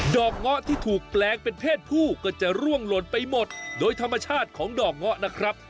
อกเงาะที่ถูกแปลงเป็นเพศผู้ก็จะร่วงหล่นไปหมดโดยธรรมชาติของดอกเงาะนะครับ